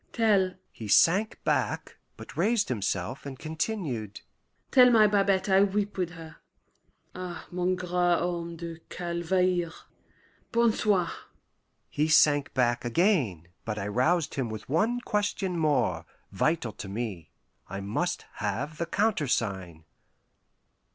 Tell"...he sank back, but raised himself, and continued: "Tell my Babette I weep with her.... Ah, mon grand homme de Calvaire bon soir!" He sank back again, but I roused him with one question more, vital to me. I must have the countersign.